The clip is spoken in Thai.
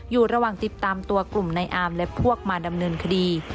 อยู่ระหว่างติดตามตัวกลุ่มในอาร์มและพวกมาดำเนินคดี